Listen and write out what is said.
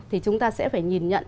thì chúng ta sẽ phải nhìn nhận